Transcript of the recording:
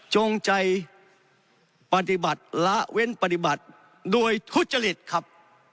จงใจปฏิบัติละเว้นปฏิบัติโดยทุจริตครับ